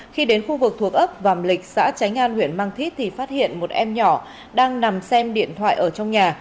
khi đến khu vực thuộc ấp vàm lịch xã tránh an huyện mang thít thì phát hiện một em nhỏ đang nằm xem điện thoại ở trong nhà